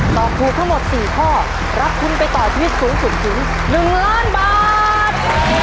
ตอบถูกทั้งหมด๔ข้อรับทุนไปต่อชีวิตสูงสุดถึง๑ล้านบาท